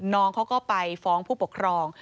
น้องเขาก็ไปฟ้องผู้ปกครอง